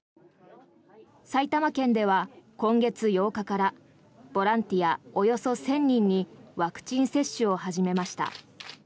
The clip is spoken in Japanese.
埼玉県では今月８日からボランティアおよそ１０００人にワクチン接種を始めました。